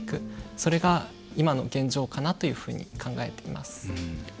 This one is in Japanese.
それが今の現状かなというふうに考えています。